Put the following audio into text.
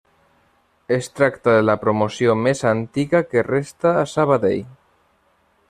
Es tracta de la promoció més antiga que resta a Sabadell.